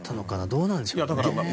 どうなんでしょうね。